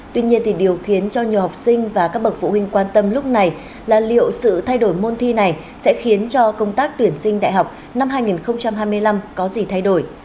tuy nhiên thì điều khiến cho nhiều học sinh và các bậc phụ huynh quan tâm lúc này là liệu sự thay đổi môn thi này sẽ khiến cho công tác tuyển sinh đại học năm hai nghìn hai mươi năm có gì thay đổi